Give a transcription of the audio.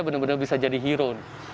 bisa jadi hero